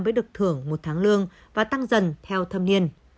mới được thưởng một tháng lương và tăng dần theo thâm niên